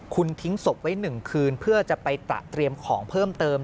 คุณทิ้งศพไว้๑คืนเพื่อจะไปตระเตรียมของเพิ่มเติม